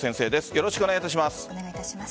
よろしくお願いします。